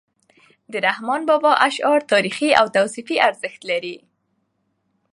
د رحمان بابا اشعار تاریخي او تصوفي ارزښت لري .